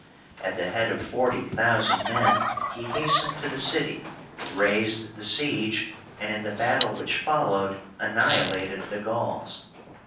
At the head of forty thousand men he hastened to the city, raised the siege, and in the battle which followed annihilated the Gauls.